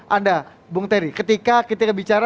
anda bung terry ketika kita bicara